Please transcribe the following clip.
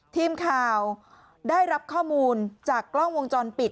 ทีมข่าวได้รับข้อมูลจากกล้องวงจรปิด